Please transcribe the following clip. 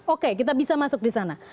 oke kita bisa masuk di sana